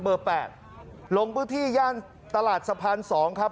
เบอร์แปดลงพื้นที่ย่านตลาดสะพานสองครับ